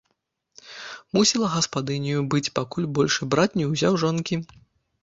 Мусіла гаспадыняю быць, пакуль большы брат не ўзяў жонкі.